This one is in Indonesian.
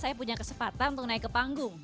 saya ingin mengekspresikan robot dengan kata yang benar